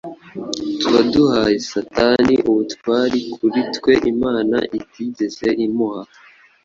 tuba duhaye Satani ubutware kuri twe Imana itigeze imuha.